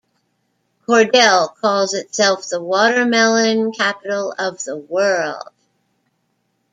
Cordele calls itself the Watermelon Capital of the World.